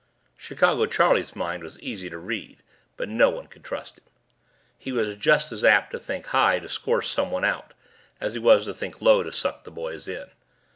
Chicago Charlie's mind was easy to read but no one could trust him. He was just as apt to think high to score someone out as he was to think low to suck the boys in.